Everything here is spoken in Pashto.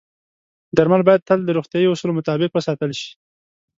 درمل باید تل د روغتیايي اصولو مطابق وساتل شي.